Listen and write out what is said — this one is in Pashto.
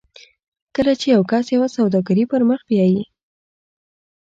کله چې یو کس یوه سوداګري پر مخ بیایي